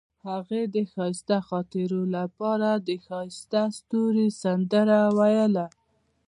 هغې د ښایسته خاطرو لپاره د ښایسته ستوري سندره ویله.